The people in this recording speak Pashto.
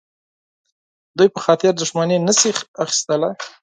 دوی په خاطر دښمني نه شي اخیستلای.